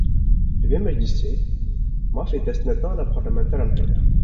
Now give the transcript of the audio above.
Li vê meclîsê, mafê destnedana parlementeran heye